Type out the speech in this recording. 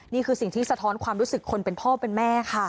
นี่คือสิ่งที่สะท้อนความรู้สึกคนเป็นพ่อเป็นแม่ค่ะ